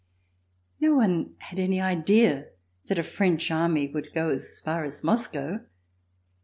No one had any idea that the French army would go as far as Moscow.